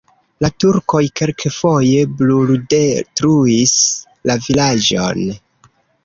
La turkoj kelkfoje bruldetruis la vilaĝon.